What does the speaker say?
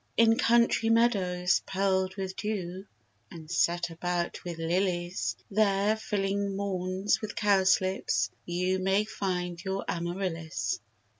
In country meadows, pearl'd with dew, And set about with lilies; There, filling maunds with cowslips, you May find your Amarillis.